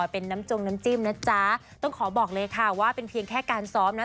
เป็นน้ำจงน้ำจิ้มนะจ๊ะต้องขอบอกเลยค่ะว่าเป็นเพียงแค่การซ้อมนะ